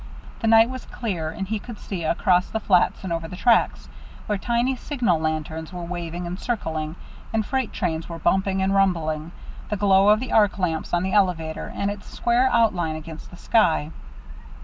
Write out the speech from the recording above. The night was clear, and he could see, across the flats and over the tracks, where tiny signal lanterns were waving and circling, and freight trains were bumping and rumbling, the glow of the arc lamps on the elevator, and its square outline against the sky.